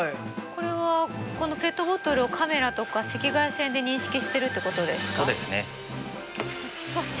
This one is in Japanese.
これはこのペットボトルをカメラとか赤外線で認識してるってことですか？